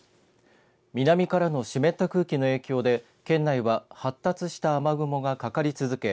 南からの湿った空気の影響で県内は発達した雨雲がかかり続け